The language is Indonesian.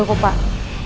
hai enggak aku